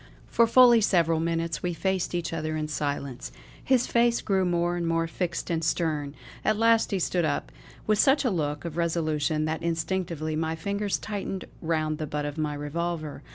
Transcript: For fully several minutes we faced each other in silence. His face grew more and more fixed and stern; at last he stood up with such a look of resolution that instinctively my fingers tightened round the butt of my revolver.